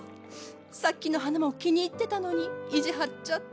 さっきの花も気に入ってたのに意地張っちゃって。